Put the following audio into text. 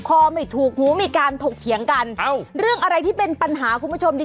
คอไม่ถูกหูมีการถกเถียงกันเอ้าเรื่องอะไรที่เป็นปัญหาคุณผู้ชมดี